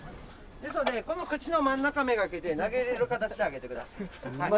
ですのでこの口の真ん中めがけて投げ入れる形であげてください。